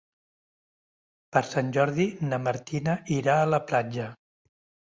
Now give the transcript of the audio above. Per Sant Jordi na Martina irà a la platja.